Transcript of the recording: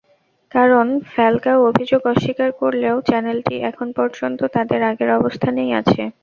কারণ ফ্যালকাও অভিযোগ অস্বীকার করলেও চ্যানেলটি এখন পর্যন্ত তাদের আগের অবস্থানেই আছে।